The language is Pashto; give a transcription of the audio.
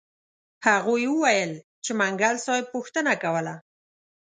هغوی وویل چې منګل صاحب پوښتنه کوله.